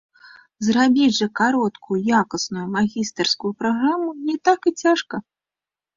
Зрабіць жа кароткую якасную магістарскую праграму не так і цяжка.